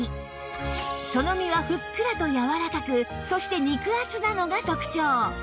その身はふっくらとやわらかくそして肉厚なのが特長